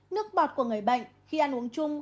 nước bọc của người bệnh khi ăn uống chung